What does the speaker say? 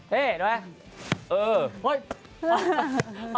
ดูแบบนี้